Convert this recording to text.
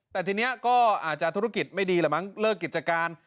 แต่ทีนี้ก็อาจจะธุรกิจไม่ดีแหละมั้งเลิกกิจการ